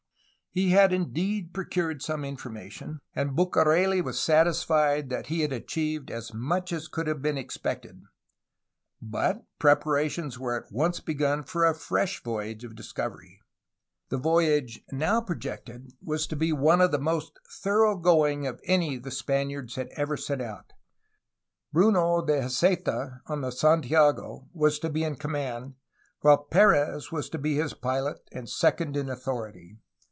He had indeed procured some information, and Bucareli was satisfied that he had achieved as much as could have been expected, but preparations were at once begun for a fresh voyage of dis covery. The voyage now projected was to be one of the most thorough going of any the Spaniards ever sent out. Bruno de Heceta on the Santiago was to be in command, while Perez was to be his pilot and second in authority.